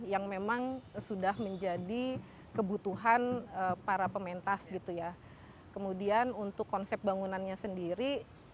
yang memang sudah menjadi kebutuhan para pementas gitu ya kemudian untuk konsep bangunannya sendiri